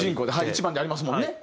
１番でありますもんね。